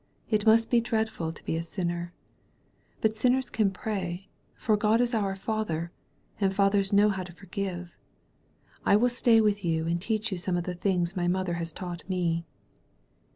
It must be dreadful to be a sinner. But sinners can pray, for God is our Father, and fathers know how to for give. I will stay with you and teach you some of the things my mother has taught me.''